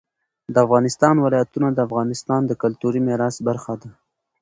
د افغانستان ولايتونه د افغانستان د کلتوري میراث برخه ده.